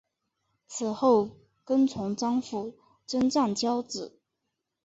此后跟从张辅征战交址。